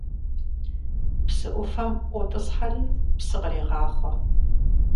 Псы Ӏуфэм ӏуотӏысхьэри псы кърегъахъуэ.